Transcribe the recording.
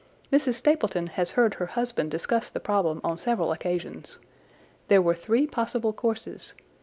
Mrs. Stapleton has heard her husband discuss the problem on several occasions. There were three possible courses.